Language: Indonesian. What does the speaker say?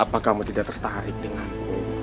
apa kamu tidak tertarik denganku